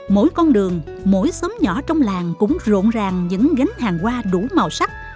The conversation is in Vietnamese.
mỗi con đường mỗi xóm nhỏ trong làng cũng rộn ràng những gánh hàng hoa đủ màu sắc